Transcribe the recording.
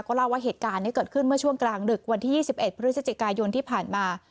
เล่าว่าเหตุการณ์นี้เกิดขึ้นเมื่อช่วงกลางดึกวันที่๒๑พฤศจิกายนที่ผ่านมา